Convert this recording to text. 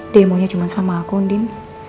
demonya cuma sama aku din